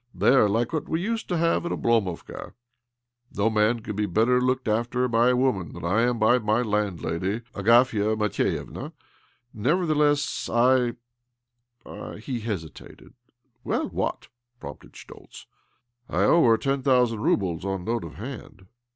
They are like what we used to have at Oblomovka. No man could be better looked after by a woman than I am by my landlady, Agafia Matvievna. Nevertheless I, I " He hesitated. " Well, what? " prompted Schtoltz. " I owe her ten thousand roubles on note of hand."